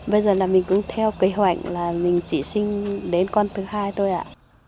bây giờ là mình cũng theo kế hoạch là mình chỉ sinh đến con thứ hai thôi ạ